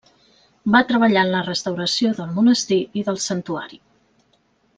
Va treballar en la restauració del monestir i del santuari.